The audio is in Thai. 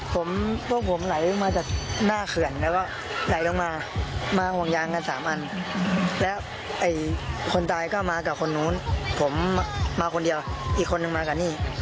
ผมพวกผมไหลมาจากหน้าเขื่อนแล้วก็ไหลลงมามาห่วงยางกันสามอันแล้วไอ้คนตายก็มากับคนนู้นผมมาคนเดียวอีกคนนึงมากับนี่